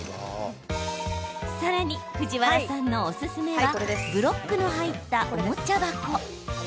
さらに藤原さんのおすすめはブロックの入ったおもちゃ箱。